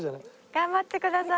頑張ってください。